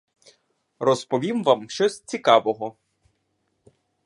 Розповім вам щось цікавого.